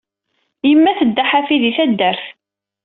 Yemma tedda ḥafi di taddart.